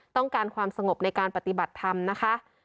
ต้องการความสงบในการปฏิบัติธรรมนะคะ